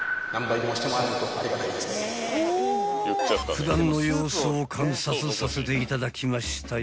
［普段の様子を観察させていただきましたよ］